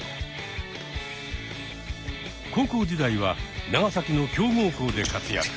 高校時代は長崎の強豪校で活躍。